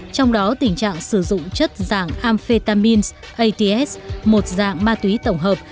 trong đó tình trạng sử dụng chất dạng amphetamin ats một dạng ma túy tổng hợp